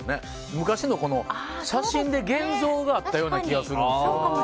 昔の写真で現像があったような気がするんですよ。